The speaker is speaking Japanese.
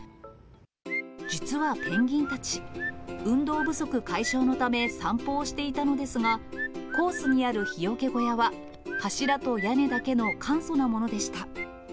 実はペンギンたち、運動不足解消のため、散歩をしていたのですが、コースにある日よけ小屋は、柱と屋根だけの簡素なものでした。